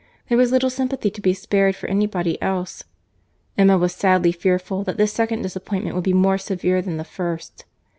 There was little sympathy to be spared for any body else. Emma was sadly fearful that this second disappointment would be more severe than the first.